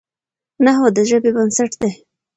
نحوه د ژبي بنسټ دئ.